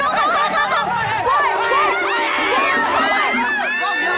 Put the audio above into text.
bupati salam jantung